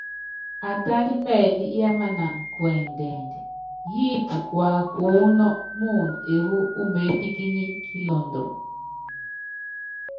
Atányí mɛɛlí yámanána kuɛndɛnd, yíípi kuakuúnɔ́ muundɔ ewú umeépíkínyí kilɔndɔ.